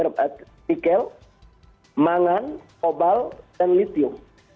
mikel mangan cobal dan litium